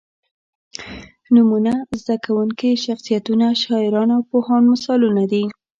نومونه، زده کوونکي، شخصیتونه، شاعران او پوهان مثالونه دي.